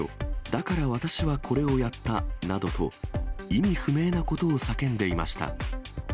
だから私はこれをやったなどと、意味不明なことを叫んでいました。